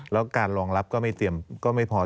แล้วการรองรับก็ไม่พอ